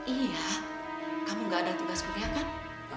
iya kamu gak ada tugas kuriakan